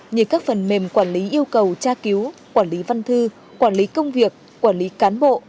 như các phần mềm quản lý yêu cầu tra cứu quản lý văn thư quản lý công việc quản lý cán bộ